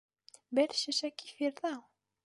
Бер шешә кефир ҙа ал!